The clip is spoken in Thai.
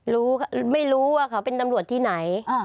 ไม่รู้ว่าเขาเป็นตำรวจที่ไหน